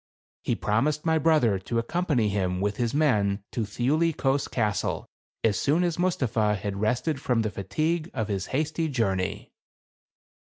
He promised my brother to accompany him with his men to Thiuli Kos Castle as soon as Mus tapha had rested from the fatigue of his hasty journey.